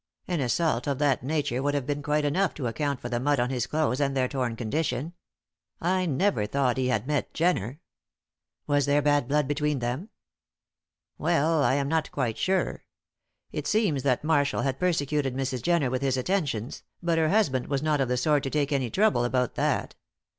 An assault of that nature would have been quite enough to account for the mud on his clothes and their torn condition. I never thought he had met Jenner." "Was there bad blood between them?" "Well. I am not quite sure. It seems that Marshall had persecuted Mrs. Jenner with his attentions, but her husband was not of the sort to take any trouble about that.